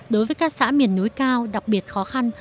đối với các xã miền núi cao đặc biệt khó khăn